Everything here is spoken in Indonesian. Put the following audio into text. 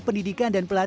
pendidikan dan pelajaran